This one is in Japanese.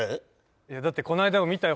いやだってこの間も見たよ